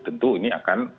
tentu ini akan